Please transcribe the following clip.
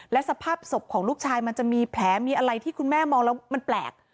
และสภาพศพของลูกชายมันจะมีแผลมีอะไรที่คุณแม่มองแล้วมันแปลก